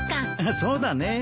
そうだね。